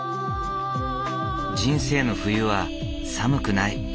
人生の冬は寒くない。